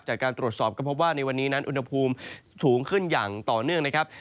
จากการตรวจสอบก็พบว่าในวันนี้นั้นอุณหภูมิสูงขึ้นอย่างต่อเนื่องนะครับ